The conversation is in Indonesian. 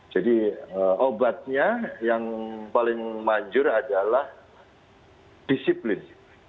jadi obatnya yang paling manjur adalah disiplin